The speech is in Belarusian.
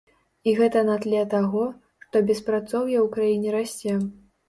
І гэта на тле таго, што беспрацоўе ў краіне расце.